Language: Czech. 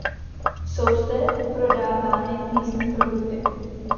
Jsou zde prodávány místní produkty.